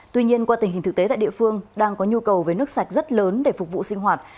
tuy nhiên qua tình hình thực tế tại địa phương đang có nhu cầu với nước sạch rất lớn để phục vụ sinh hoạt